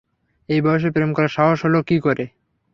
এই বয়সে প্রেম করার সাহস হলো কি করে?